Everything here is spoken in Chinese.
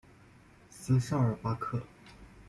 斯绍尔巴克。